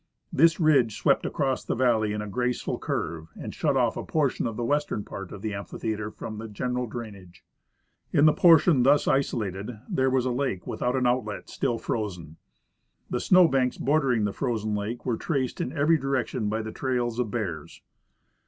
This ridge swept across the valley in a graceful curve, and shut off a portion of the western part of the amphitheatre from the general drainage. In the portion, thus isolated there was a lake without an outlet, still frozen. The snow banks bordering the frozen lake were traced in every, direction by the trails of bears.